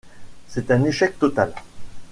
C'est un échec total.